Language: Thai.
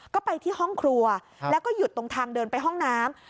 ก็ไปที่ห้องครัวแล้วก็หยุดตรงทางเดินไปห้องน้ำ